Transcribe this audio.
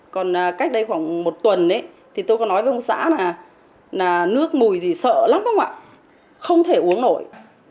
còn cách đây khoảng một tuần thì tôi có nói với ông xã là nước mùi gì sợ lắm không ạ không thể uống nổi